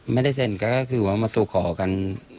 ไม่ได้เซ็นก็คือว่ามาสู่ขอกัน